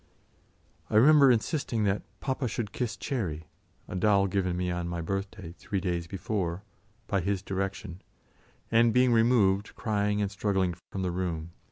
I remember insisting that "papa should kiss Cherry," a doll given me on my birthday, three days before, by his direction, and being removed, crying and struggling, from the room.